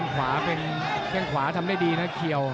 แค่งขวาทำได้ดีนะเคียว